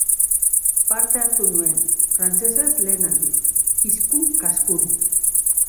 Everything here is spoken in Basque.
Parte hartu nuen, frantsesez lehen aldiz, kiskun-kaskun.